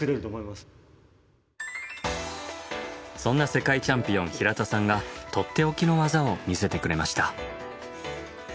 そんな世界チャンピオン平田さんがとっておきの技を見せてくれました。